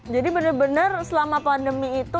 jadi benar benar selama pandemi itu